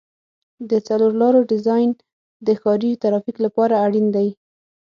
د څلور لارو ډیزاین د ښاري ترافیک لپاره اړین دی